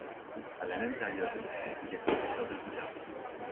À la même période, il est professeur de guitare.